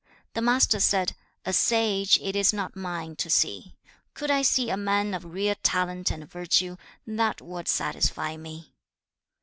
The Master said, 'A sage it is not mine to see; could I see a man of real talent and virtue, that would satisfy me.'